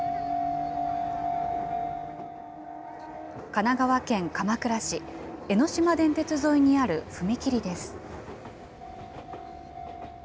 神奈川県鎌倉市、江ノ島電鉄沿いにある踏切です。